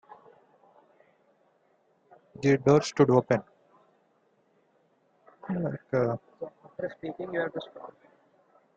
The door stood open.